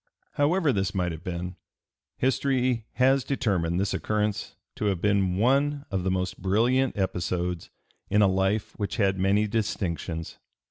However this might have been, history has determined this occurrence to have been one of the most brilliant episodes in a life which had many distinctions.